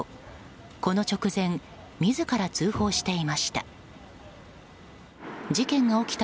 この直前、自ら通報していました。